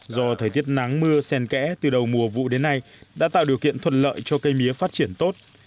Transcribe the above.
do thời tiết nắng mưa sen kẽ từ đầu mùa vụ đến nay đã tạo điều kiện thuận lợi cho cây mía phát triển tốt